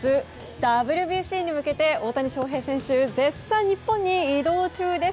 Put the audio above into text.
ＷＢＣに向けて大谷翔平選手絶賛、日本に移動中です。